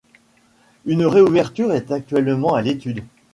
Une réouverture est actuellement à l'étude.